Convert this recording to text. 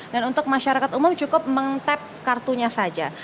dan untuk masyarakat umum cukup meng tap kartunya saja